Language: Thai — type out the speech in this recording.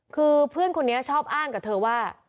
คือเพื่อนคนนี้ชอบอ้างกับเธอว่า